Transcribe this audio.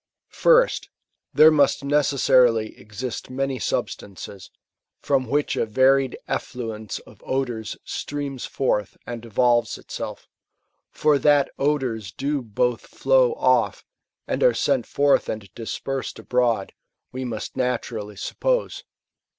1*71 First, there must necessarily exist many substances, from which a varied effluence of odours streams forth and evolves itself ; for that odours do both flow off, and are sent forth and dispersed abroad, we must naturally suppose.